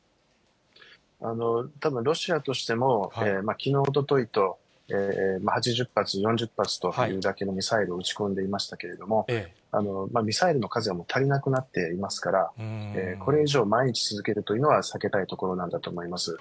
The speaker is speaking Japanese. ただロシアとしても、きのう、おとといと、８０発、４０発と、ミサイルを撃ち込んでいましたけれども、ミサイルの数が足りなくなっていますから、これ以上、毎日続けるというのは避けたいところなんだと思います。